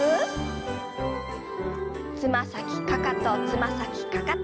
つま先かかとつま先かかと。